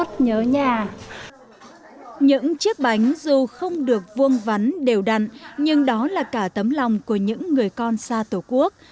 quan trọng hơn những chiếc bánh không được vuông vắn đều đặn nhưng đó là cả tấm lòng của những người con xa tổ quốc